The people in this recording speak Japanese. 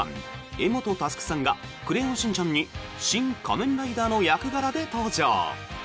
柄本佑さんが「クレヨンしんちゃん」に「シン・仮面ライダー」の役柄で登場。